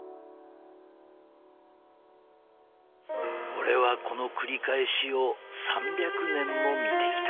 ［俺はこの繰り返しを３００年も見てきた］